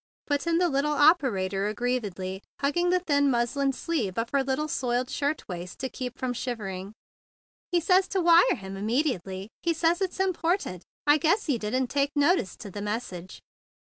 put in the little operator aggrievedly, hugging the thin muslin sleeves of her little soiled shirt waist to keep from shivering. "He says to wire him im¬ mediately. He says it's important. I 132 THE BIG BLUE SOLDIER guess you didn't take notice to the message."